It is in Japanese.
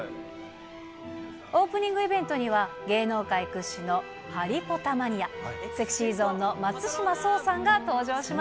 オープニングイベントには、芸能界屈指のハリポタマニア、ＳｅｘｙＺｏｎｅの松島聡さん